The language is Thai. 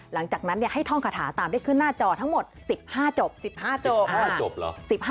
หลังจากนั้นให้ท่องคาถาตามได้ขึ้นหน้าจอทั้งหมด๑๕จบ